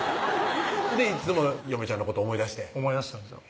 いっつも嫁ちゃんのこと思い出して思い出したんですよ